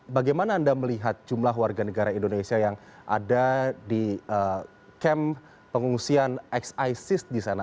bagaimana anda melihat jumlah warga negara indonesia yang ada di kem pengungsian ex isis di sana